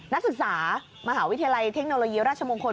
นักศึกษามหาวิทยาลัยเทคโนโลยีราชมงคล